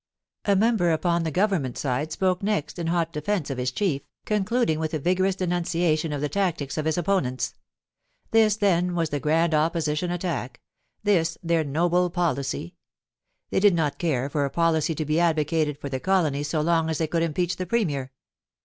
A member upon the Government side spoke next in hot defence of his chief, concluding with a vigorous denundr tion of the tactics of his opponents. ... This, then, ms the grand Opposition attack— this their noble policy. ... They did not care for a policy to be advocated for the colony so long as they could impeach the Premier.